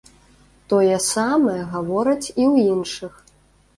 Тое самае гавораць і ў іншых.